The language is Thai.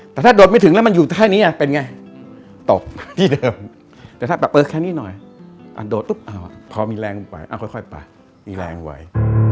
แต่ถ้าโดดไม่ถึงแล้วมันอยู่แค่นี้เป็นไงตกที่เดิมแต่ถ้าแบบเออแค่นี้หน่อยโดดปุ๊บพอมีแรงลงไปค่อยไปมีแรงไหว